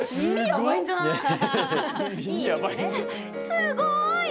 す、すごい！